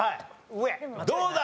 どうだ？